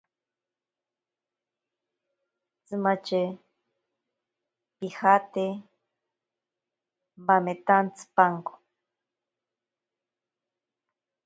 Tsimatye pijate bametantsipanko.